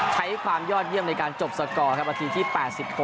ใช้ความยอดเยี่ยมในการจบสกอร์ครับนาทีที่๘๖